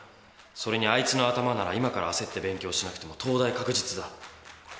それにあいつの頭なら今からあせって勉強しなくても東大確実だ。